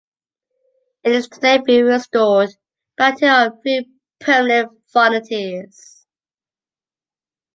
It is today being restored by a team of three permanent volunteers.